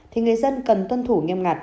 thì người dân cần tuân thủ nghiêm ngặt